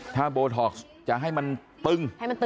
ถ้าโบท็อกซ์จะให้มันปึ้ง